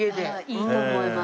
いいと思います。